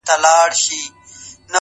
علم د انسان د ذهن دروازې پرانیزي!